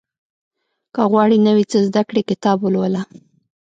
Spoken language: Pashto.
• که غواړې نوی څه زده کړې، کتاب ولوله.